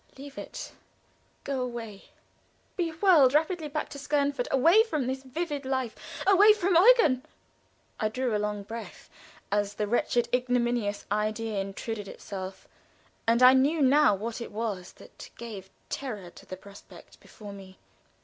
Leave it go away; be whirled rapidly away back to Skernford away from this vivid life, away from Eugen. I drew a long breath, as the wretched, ignominious idea intruded itself, and I knew now what it was that gave terror to the prospect before me.